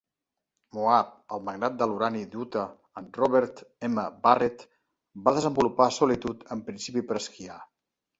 Moab, el magnat de l'urani d'Utah en Robert M. Barrett, va desenvolupar Solitude en principi per esquiar.